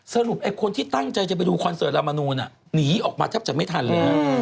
สรุปไอ้คนที่ตั้งใจจะไปดูคอนเสิร์ตรามโนน่ะหนีออกมาเท่าไหร่ใหม่ทันเลยอ่ะ